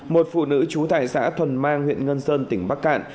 một phụ nữ trú tại xã thuần mang huyện ngân sơn tỉnh bắc cạn